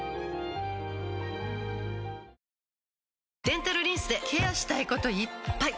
デンタルリンスでケアしたいこといっぱい！